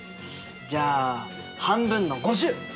じゃあ半分の５０！